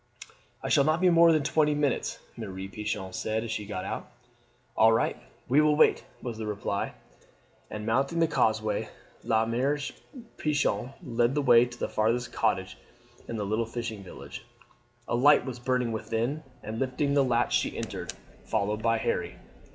"I shall not be more than twenty minutes," Mere Pichon said as she got out. "All right, we will wait!" was the reply, and mounting the causeway La Mere Pichon led the way to the farthest cottage in the little fishing village. A light was burning within, and lifting the latch she entered, followed by Harry.